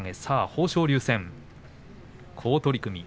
豊昇龍戦、好取組。